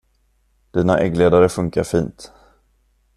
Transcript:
Dina äggledare funkar fint.